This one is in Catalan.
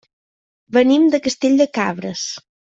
Venim de Castell de Cabres.